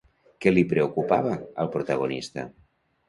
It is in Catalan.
Què li preocupava al protagonista?